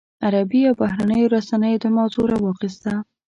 عربي او بهرنیو رسنیو دا موضوع راواخیسته.